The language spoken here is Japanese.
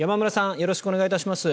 よろしくお願いします。